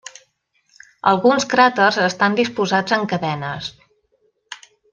Alguns cràters estan disposats en cadenes.